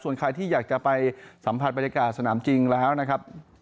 ส่วนใครที่อยากจะไปสัมผัสบรรยากาศสนามจริงแล้วนะครับ